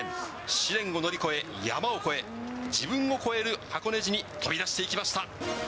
試練を乗り越え、山を越え、自分を超える箱根路に飛び出していきました。